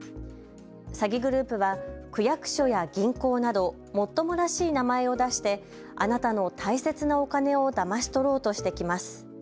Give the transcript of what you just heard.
詐欺グループは区役所や銀行などもっともらしい名前を出してあなたの大切なお金をだまし取ろうとしてきます。